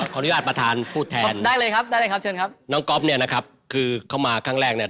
ขออนุญาตประธานพูดแทนน้องก๊อฟเนี่ยนะครับคือเขามาครั้งแรกเนี่ย